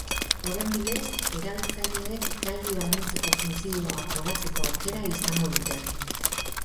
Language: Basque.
Horren bidez, erabiltzaileek gailu anitzeko funtzioa probatzeko aukera izango dute.